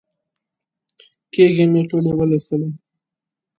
کېږې مې ټولې ولوسلې.